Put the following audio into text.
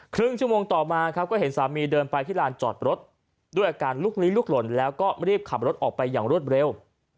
ครึ่งชั่วโมงต่อมาครับก็เห็นสามีเดินไปที่ลานจอดรถด้วยอาการลุกลี้ลุกหล่นแล้วก็รีบขับรถออกไปอย่างรวดเร็ว